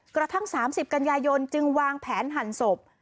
กระทั่ง๓๐กันยายนจึงวางแผนหั่นศพ